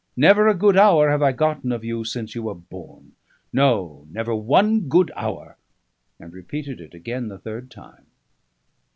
Never a good hour have I gotten of you since you were born; no, never one good hour," and repeated it again the third time.